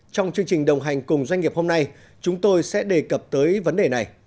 trong chương trình đồng hành cùng doanh nghiệp hôm nay chúng tôi sẽ đề cập tới vấn đề này